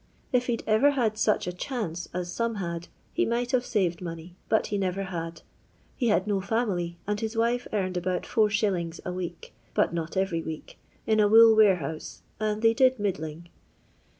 If he'd ever had such a chance as some had he might have saved money, but he never had. He had no fiunily, and his wife earned about it, a week, but not every week, in a wool warehouse, and they did middling.